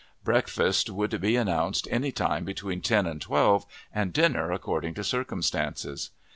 Breakfast would be announced any time between ten and twelve, and dinner according to circumstances.